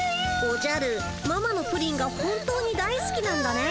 おじゃるママのプリンが本当に大すきなんだね。